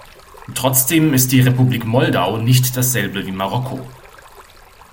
Trotzdem ist die Republik Moldau nicht dasselbe wie Marokko.